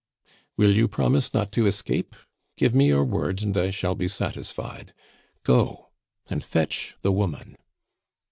"Will you promise not to escape? Give me your word, and I shall be satisfied. Go and fetch the woman."